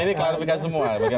ini klarifikasi semua